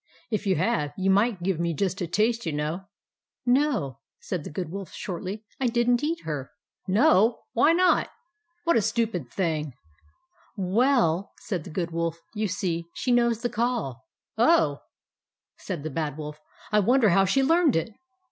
If you have, you might give me just a taste, you know." " No," said the Good Wolf, shortly. " I didn't eat her." 10 i34 THE ADVENTURES OF MABEL " No ? Why not ? What a stupid thing !"" Well," said the Good Wolf, " you see, she knows the Call." " Oh !" said the Bad Wolf. " I wonder how she learned it."